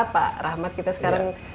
pak rahmat kita sekarang